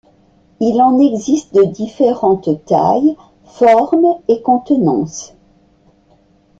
Il en existe de différentes tailles, formes et contenances.